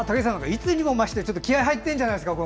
いつにもまして気合い入ってるんじゃないですか。